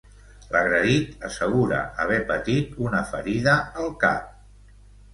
L'agredit assegura haver patit una ferida al cap.